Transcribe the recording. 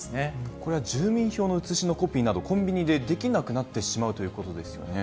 これは住民票の写しのコピーなど、コンビニでできなくなってしまうということですよね。